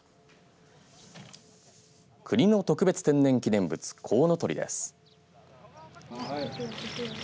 国の特別天然記念物こうのとりです。